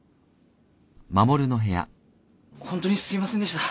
ホントにすいませんでした。